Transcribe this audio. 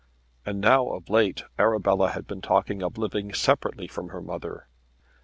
And now, of late, Arabella had been talking of living separately from her mother.